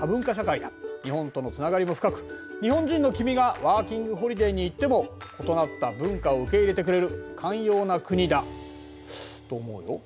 日本とのつながりも深く日本人の君がワーキング・ホリデーに行っても異なった文化を受け入れてくれる寛容な国だと思うよ。